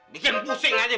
bikin pusing aja